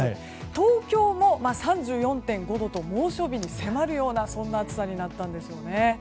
東京も３４．５度と猛暑日に迫る暑さになったんです。